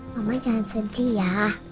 mama jangan sedih ya